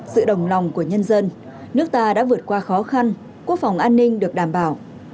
sự đồng lòng của nhân dân nước ta đã vượt qua khó khăn quốc phòng an ninh được đảm bảo